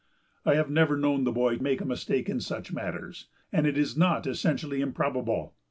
I have never known the boy make a mistake in such matters, and it is not essentially improbable.